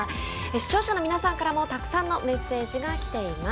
視聴者の皆さんからもたくさんのメッセージがきています。